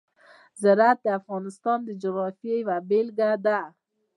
زراعت د افغانستان د جغرافیې یوه بېلګه ده.